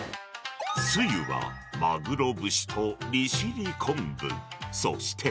つゆは、マグロ節と利尻昆布、そして。